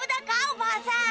おばあさん。